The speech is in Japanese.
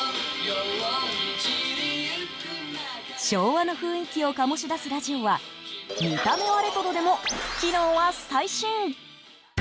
昭和の雰囲気を醸し出すラジオは見た目はレトロでも機能は最新。